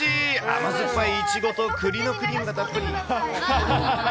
甘酸っぱいいちごとくりのクリームがたっぷり。